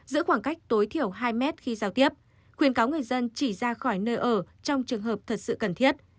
giữ khoảng cách tối thiểu hai mét khi giao tiếp khuyên cáo người dân chỉ ra khỏi nơi ở trong trường hợp thật sự cần thiết